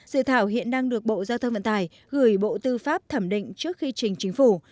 dự thảo hiện đang được bộ giao thông vận tải gửi bộ tư pháp thẩm định trước khi trình chính phủ